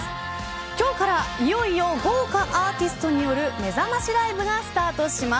今日からいよいよ豪華アーティストによるめざましライブがスタートします。